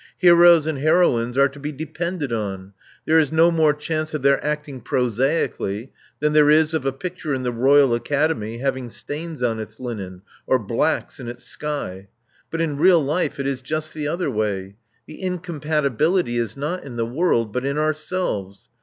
Heroes and heroines are to be depended on : there is no more chance of their acting prosaically than there is of a picture in the Royal Academy having stains on its linen, or blacks in its sky. But in real life it is just the other way. The incompatibility is not in the world, but in ourselves.